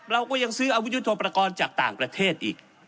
เราก็ยังซื้ออาวุธยุทธโปรกรณ์จากต่างประเทศอีก